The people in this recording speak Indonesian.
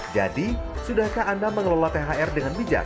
jadi sudahkah anda mengelola thr dengan bijak